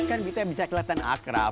kan gitu yang bisa keliatan akrab